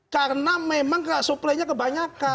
karena memang supply nya kebanyakan